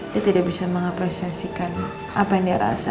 dia tidak bisa mengapresiasikan apa yang dia rasa